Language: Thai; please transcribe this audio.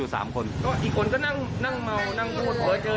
แล้วก็โดนแทนแทนสักครู่